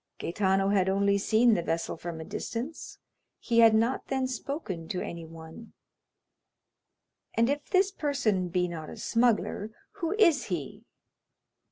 "Gaetano had only seen the vessel from a distance, he had not then spoken to anyone." "And if this person be not a smuggler, who is he?"